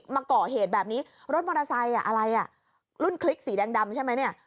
มาก่อเหตุแบบนี้รถมอเตอร์ไซค์อ่ะอะไรอ่ะรุ่นคลิกสีแดงดำใช่ไหมเนี่ย